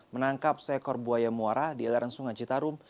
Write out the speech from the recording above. menangkap seekor buaya muara di aliran sungai citarum